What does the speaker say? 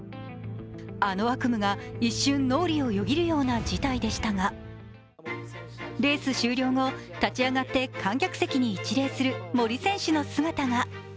あの悪夢が一瞬、脳裏をよぎるような事態でしたがレース終了後、立ち上がって観客席に一礼する森選手の姿が。